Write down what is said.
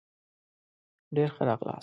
ډېر ښه راغلاست